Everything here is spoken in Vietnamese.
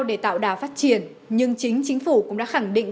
để tạo đà phát triển nhưng chính chính phủ cũng đã khẳng định